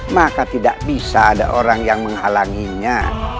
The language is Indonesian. maka tidak bisa ada orang yang menghalanginya